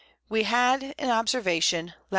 We had an Observation Lat.